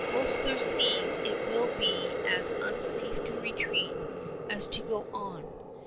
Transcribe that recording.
Boerstler sees it will be as unsafe to retreat as to go on.